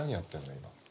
今。